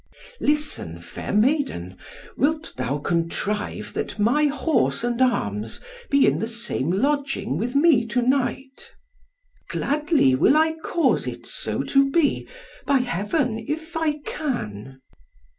"Listen, fair maiden, wilt thou contrive that my horse and arms be in the same lodging with me to night." "Gladly will I cause it so to be, by Heaven, if I can."